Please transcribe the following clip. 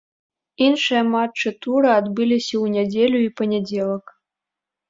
Іншыя матчы тура адбыліся ў нядзелю і панядзелак.